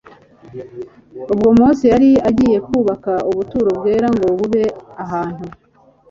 Ubwo Mose yari agiye kubaka ubuturo bwera ngo bube ahantu